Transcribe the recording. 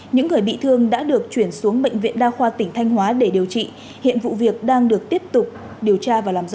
những người bị thương đã được chuyển xuống bệnh viện đa khoa tỉnh thanh hóa để điều trị hiện vụ việc đang được tiếp tục điều tra và làm rõ